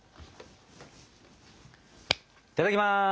いただきます！